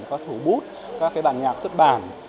có thủ bút các bản nhạc xuất bản